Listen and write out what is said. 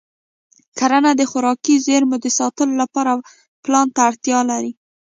کرنه د خوراکي زېرمو د ساتلو لپاره پلان ته اړتیا لري.